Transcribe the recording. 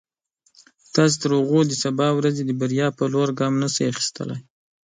تاسو تر هغې د سبا ورځې د بریا په لور ګام نشئ اخیستلای.